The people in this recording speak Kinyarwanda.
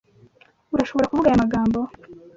Urashobora kuvuga aya magambo?